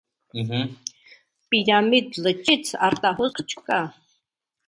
Պիրամիդ լճից արտահոսք չկա։